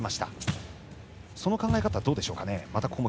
その考え方はどうでしょうか。